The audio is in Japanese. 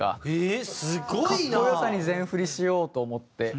格好良さに全振りしようと思って。